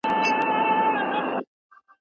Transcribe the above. استاد شاګرد ته د څيړني لاره وښودله.